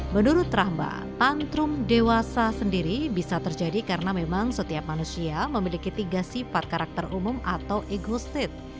menurut rahma tantrum dewasa sendiri bisa terjadi karena memang setiap manusia memiliki tiga sifat karakter umum atau egosit